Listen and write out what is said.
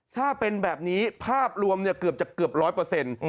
ถ้าเป็นแบบนี้ภาพรวมเนี่ยเกือบจะเกือบร้อยเปอร์เซ็นต์